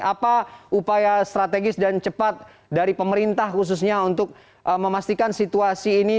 apa upaya strategis dan cepat dari pemerintah khususnya untuk memastikan situasi ini